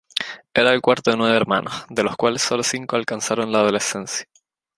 Era el cuarto de nueve hermanos, de los cuales solo cinco alcanzaron la adolescencia.